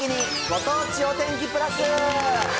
ご当地お天気プラス。